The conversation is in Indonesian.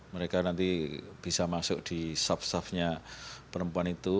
mereka nanti bisa masuk di saf safnya perempuan itu